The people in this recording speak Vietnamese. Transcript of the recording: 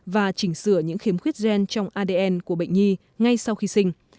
và chỉnh sửa những khiếm khuyết gen trong adn của bệnh nhi ngay sau khi sinh